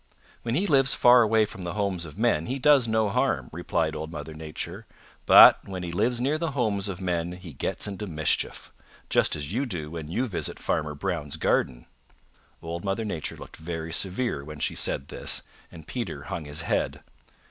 "When he lives far away from the homes of men he does no harm," replied Old Mother Nature. "But when he lives near the homes of men he gets into mischief, just as you do when you visit Farmer Brown's garden." Old Mother Nature looked very severe when she said this and Peter hung his head.